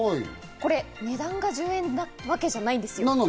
これ値段が１０円なわけじゃないんですよ。